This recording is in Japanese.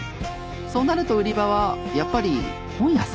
そうなると売り場はやっぱり本屋さん？